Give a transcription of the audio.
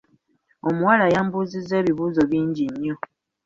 Omuwala yambuuza ebibuuzo bingi nnyo.